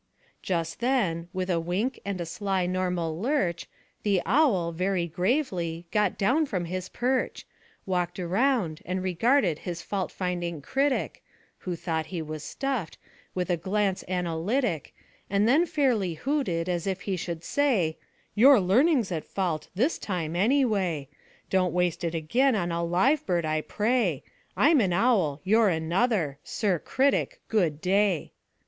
Just then, with a wink and a sly normal lurch, The owl, very gravely, got down from his perch, Walked around, and regarded his fault finding critic (Who thought he was stuffed) with a glance analytic, And then fairly hooted, as if he should say: 'Your learning's at fault this time, anyway: Don't waste it again on a live bird, I pray. I'm an owl; you're another. Sir Critic, good day!'